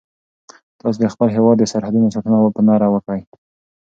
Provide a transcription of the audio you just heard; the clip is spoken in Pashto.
تاسو د خپل هیواد د سرحدونو ساتنه په نره وکړئ.